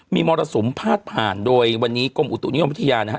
มีมรสุมพาดผ่านโดยวันนี้กรมอุตุนิยมวิทยานะฮะ